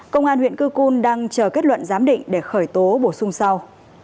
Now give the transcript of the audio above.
công an huyện cư cun đang chờ kết luận giám định để khởi tố bổ sung sau